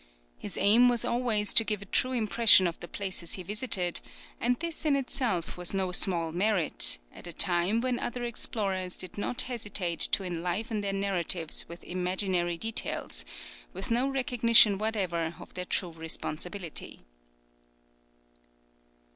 His aim was always to give a true impression of the places he visited; and this in itself was no small merit, at a time when other explorers did not hesitate to enliven their narratives with imaginary details, with no recognition whatever of their true responsibility.